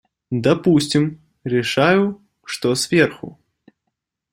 Допустим, решаю, что сверху.